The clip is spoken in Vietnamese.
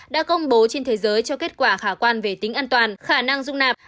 đã công bố trên thế giới cho kết quả khả quan về tính an toàn khả năng dung nạp